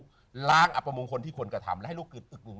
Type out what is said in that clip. ล้างอัปจะหรืออประมวงคนที่คนกระทำและให้ลูกอึดอึกหนุ่ง